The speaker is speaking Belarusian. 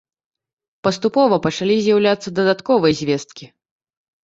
Паступова пачалі з'яўляцца дадатковыя звесткі.